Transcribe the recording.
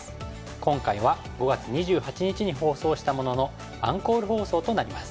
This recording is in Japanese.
今回は５月２８日に放送したもののアンコール放送となります。